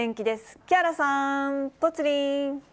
木原さん、ぽつリン。